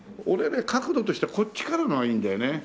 俺ね角度としてはこっちからの方がいいんだよね。